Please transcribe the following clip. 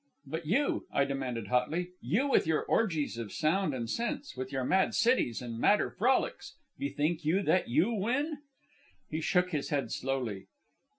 "But you," I demanded hotly; "you with your orgies of sound and sense, with your mad cities and madder frolics bethink you that you win?" He shook his head slowly.